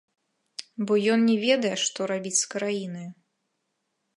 Бо ён не ведае, што рабіць з краінаю.